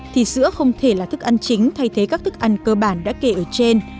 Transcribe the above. thì sữa không thể là thức ăn chính thay thế các thức ăn cơ bản đã kể ở trên